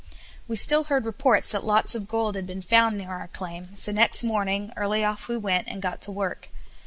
We still heard reports that lots of gold had been found near our claim, so next morning early off we went, and got to work.